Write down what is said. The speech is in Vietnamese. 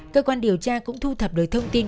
cơ quan điều tra cũng thu thập được thông tin